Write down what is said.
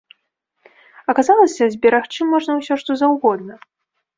Аказалася, зберагчы можна ўсё, што заўгодна.